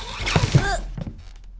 あっ。